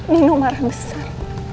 nino marah besar